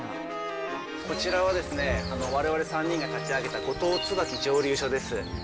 こちらはわれわれ３人が立ち上げた五島つばき蒸溜所です。